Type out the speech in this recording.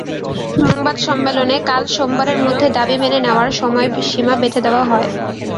সংবাদ সম্মেলনে কাল সোমবারের মধ্যে দাবি মেনে নেওয়ার সময়সীমা বেঁধে দেওয়া হয়।